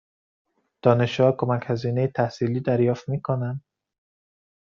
دانشجوها کمک هزینه تحصیلی دریافت می کنند؟